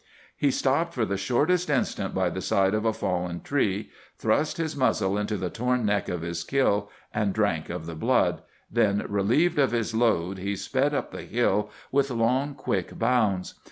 He stopped for the shortest instant by the side of a fallen tree, thrust his muzzle into the torn neck of his kill and drank of the blood, then, relieved of his load, he sped up the hill with long, quick bounds.